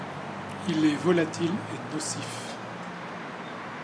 Il est volatil et nocif.